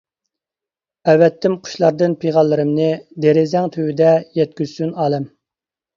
ئەۋەتتىم قۇشلاردىن پىغانلىرىمنى، دېرىزەڭ تۈۋىدە يەتكۈزسۇن نالەم.